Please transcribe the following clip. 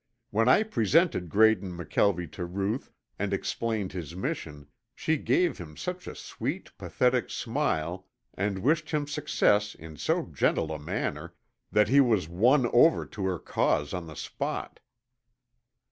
When I presented Graydon McKelvie to Ruth and explained his mission, she gave him such a sweet, pathetic smile and wished him success in so gentle a manner that he was won over to her cause on the spot.